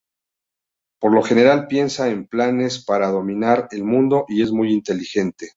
Por lo general piensa en planes para dominar el mundo y es muy inteligente.